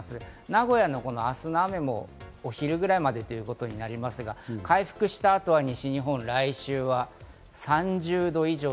名古屋の明日の雨もお昼ぐらいまでということになりますが、回復したとは西日本、来週は３０度以上。